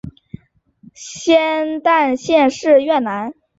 仙侣县是越南兴安省下辖的一个县。